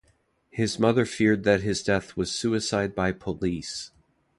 His mother feared that his death was "suicide by police".